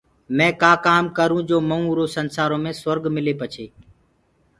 مي ڪآ ڪآم ڪروٚنٚ جو مئوٚنٚ اُرو سنسآرو مي سُرگ ملي پڇي